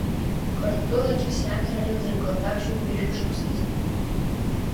Қырҭтәыла ақьырсианра рыдыркылт аԥшьбатәи ашәышықәсазы.